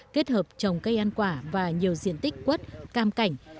kết hợp trồng cây ăn quả và nhiều diện tích quất cam cảnh